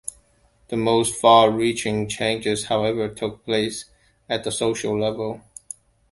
The most far-reaching changes, however, took place at the social level.